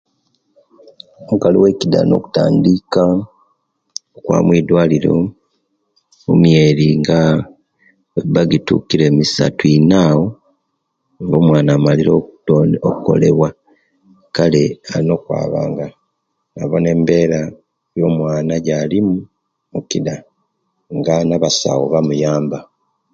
Omukali owekida alina okutandika okwaba muidwaliro kumiyeri nga giba gitukire misatu Ina awo omawana aba amalore okutongolewa kale alina okwaba nabona embera yomwana ejalimu omukida nga nabasawo bamuyamba